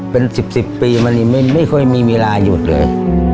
เป็น๑๐ปีมันไม่ค่อยมีเวลาหยุดเลย